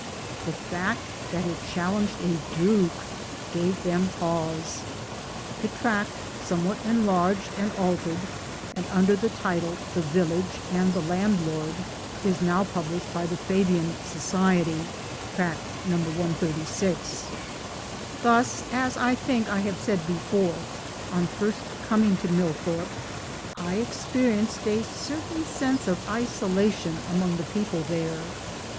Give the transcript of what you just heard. The fact that it challenged a Duke gave them pause ! The tract, somewhat enlarged and altered and under the title The Village and the Laridlord, is now pub lished by the Fabian Society (Tract No. 136, id.). 1 Thus, as I think I have said before, on first coming to Millthorpe I experienced a certain sense of isolation among the people there.